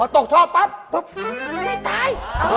ตกทอปับไม่ตาย